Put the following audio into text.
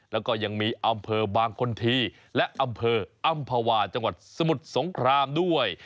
แล้วก็ยังมีอำเภอบางคนทีและอำเภออำภาวาจังหวัดสมุทรสงครามด้วย